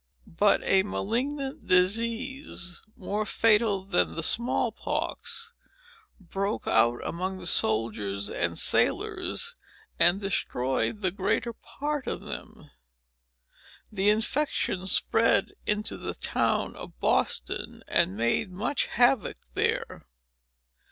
But a malignant disease, more fatal than the small pox, broke out among the soldiers and sailors, and destroyed the greater part of them. The infection spread into the town of Boston, and made much havoc there.